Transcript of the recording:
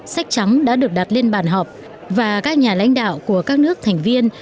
sách trắng đã được đặt lên bàn họp và các nhà lãnh đạo của các nước thành viên